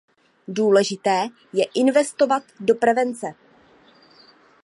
Důležité je investovat do prevence.